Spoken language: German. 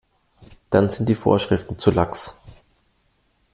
Dann sind die Vorschriften zu lax.